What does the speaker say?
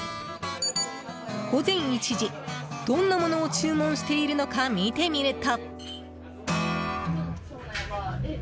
午前１時、どんなものを注文しているのか見てみると。